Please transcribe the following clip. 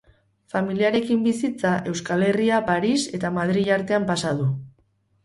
Familiarekin bizitza Euskal Herria, Paris eta Madril artean pasa du.